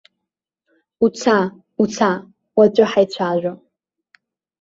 Уца, уца, уаҵәы ҳаицәажәап.